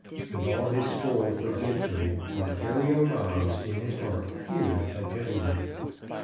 With all his scorn for gentry, Ontario Moggs in his heart feared a gentleman.